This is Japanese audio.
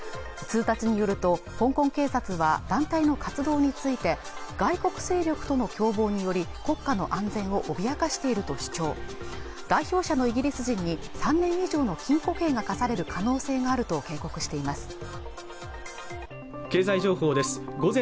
通達によると香港警察は団体の活動について外国勢力との共謀により国家の安全を脅かしていると主張代表者のイギリス人に３年以上の禁錮刑が科される可能性があると警告しています